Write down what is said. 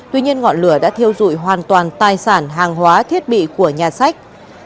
tuy nhiên ngọn lửa đã thiêu dụi hoàn toàn tài sản hàng hóa thiết bị của nhà sách